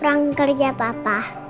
ruang kerja papa